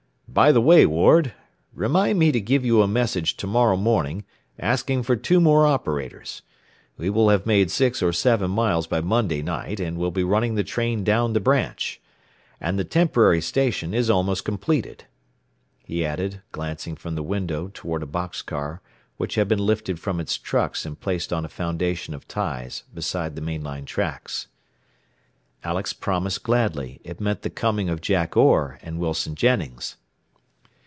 "By the way, Ward, remind me to give you a message to morrow morning asking for two more operators. We will have made six or seven miles by Monday night, and will be running the train down the branch. And the temporary station is almost completed," he added, glancing from the window toward a box car which had been lifted from its trucks and placed on a foundation of ties beside the main line tracks. Alex promised gladly. It meant the coming of Jack Orr and Wilson Jennings.